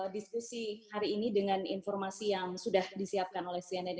diskusi hari ini dengan informasi yang sudah disiapkan oleh cnn indonesia